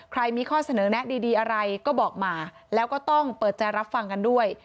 มีข้อเสนอแนะดีอะไรก็บอกมาแล้วก็ต้องเปิดใจรับฟังกันด้วย